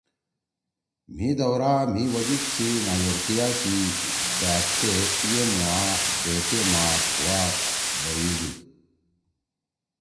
مھی دورہ مھی وجُود سی نایورتیا سی ہات تے ایمُوا بےٹیمی ہُوا ییؤدُود“